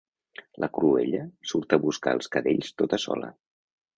La Cruella surt a buscar els cadells tota sola.